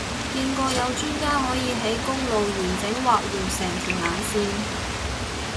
見過有專家可以喺公路完整畫完成條眼線